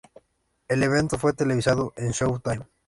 El evento fue televisado en Showtime.